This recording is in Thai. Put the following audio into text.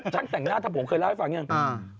ช่างแต่งหน้าทำผมเคยเล่าให้ฟังอย่างนี้